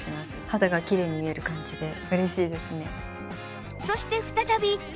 肌がきれいに見える感じで嬉しいですね。